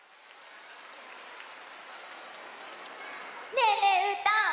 ねえねえうーたん！